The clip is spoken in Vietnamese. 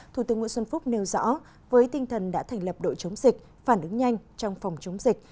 thủ tướng nguyễn xuân phúc nêu rõ với tinh thần đã thành lập đội chống dịch phản ứng nhanh trong phòng chống dịch